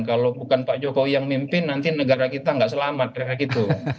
kalau bukan pak jokowi yang mimpin nanti negara kita gak selamat